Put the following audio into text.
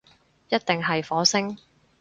一定係火星